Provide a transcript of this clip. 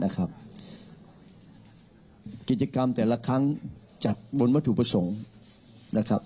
กิจกรรมแต่ละครั้งจัดบนวัตถุประสงค์นะครับ